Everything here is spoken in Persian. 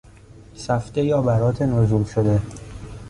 سفته یا برات نزول شده